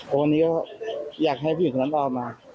วันนี้ก็อยากให้ผู้หญิงตัวนั้นออกมา